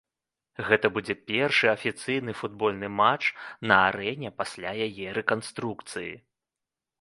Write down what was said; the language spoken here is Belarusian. Гэта будзе першы афіцыйны футбольны матч на арэне пасля яе рэканструкцыі.